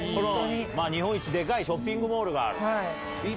日本一でかいショッピングモールがある。